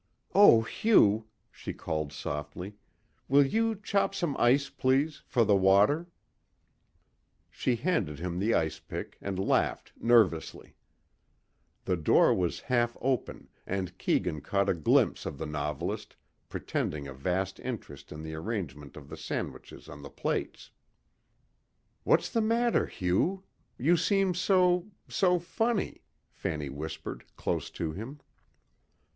"Oh Hugh," she called softly, "will you chop some ice, please, for the water." She handed him the ice pick and laughed nervously. The door was half open and Keegan caught a glimpse of the novelist pretending a vast interest in the arrangement of the sandwiches on the plates. "What's the matter, Hugh? You seem so ... so funny," Fanny whispered close to him.